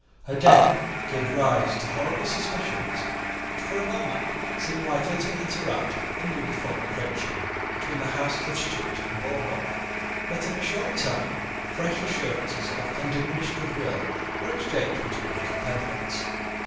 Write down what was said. Her death gave rise to horrible suspicions which, for a moment, seemed likely to interrupt the newly formed friendship between the Houses of Stuart and Bourbon: but in a short time fresh assurances of undiminished good will were exchanged between the confederates.